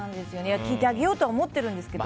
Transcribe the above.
聞いてあげようとは思ってるんですけど。